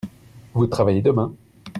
Vous travaillez demain ?